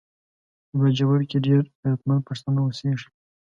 په باجوړ کې ډیر غیرتمند پښتانه اوسیږي